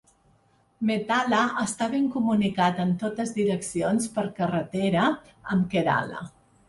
Methala està ben comunicat en totes direccions per carretera amb Kerala.